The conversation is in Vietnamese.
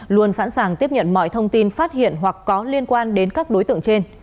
luôn sẵn sàng tiếp nhận mọi thông tin phát hiện hoặc có liên quan đến các đối tượng trên